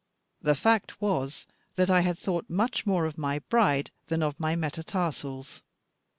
The fact was, that I had thought much more of my bride than of my metatarsals.